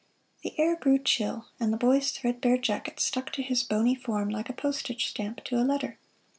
The air grew chill and the boy's threadbare jacket stuck to his bony form like a postage stamp to a letter.